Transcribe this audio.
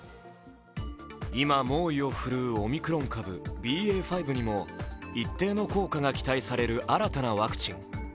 今、猛威を振るうオミクロン株ＢＡ．５にも一定の効果が期待される新たなワクチン。